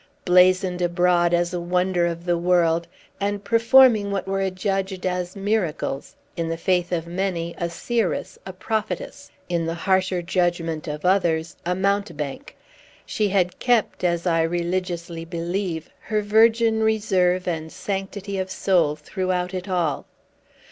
Blazoned abroad as a wonder of the world, and performing what were adjudged as miracles, in the faith of many, a seeress and a prophetess; in the harsher judgment of others, a mountebank, she had kept, as I religiously believe, her virgin reserve and sanctity of soul throughout it all.